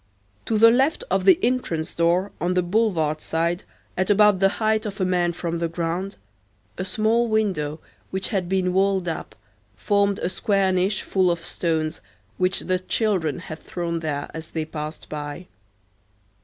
To the left of the entrance door, on the boulevard side, at about the height of a man from the ground, a small window which had been walled up formed a square niche full of stones which the children had thrown there as they passed by.